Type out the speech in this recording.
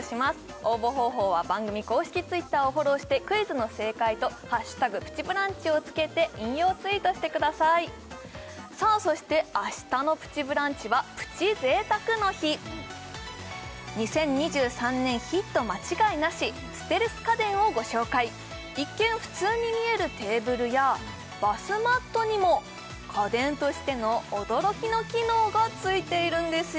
応募方法は番組公式Ｔｗｉｔｔｅｒをフォローしてクイズの正解と「＃プチブランチ」をつけて引用ツイートしてくださいそして明日の「プチブランチ」はプチ贅沢の日２０２３年ヒット間違いなしステルス家電をご紹介一見普通に見えるテーブルやバスマットにも家電としての驚きの機能がついているんですよ